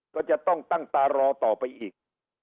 ก็จะต้องตั้งตารอต่อไปอีก